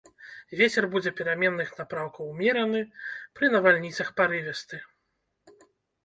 Вецер будзе пераменных напрамкаў умераны, пры навальніцах парывісты.